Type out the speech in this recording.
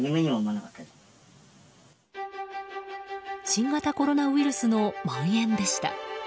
新型コロナウイルスの蔓延でした。